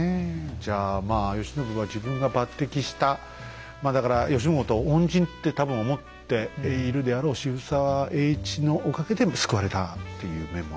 じゃあまあ慶喜は自分が抜てきしたまあだから慶喜のことを恩人って多分思っているであろう渋沢栄一のおかげで救われたっていう面もあるんだね。